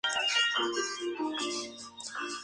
Obedecía al gobernador general Oremburgo.